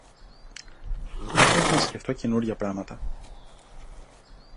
Μ' έκανες να σκεφθώ καινούρια πράματα.